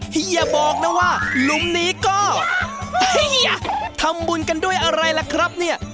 เฮียบอกนะว่าหลุมนี้ก็เฮียทำบุญกันด้วยอะไรล่ะครับเนี่ย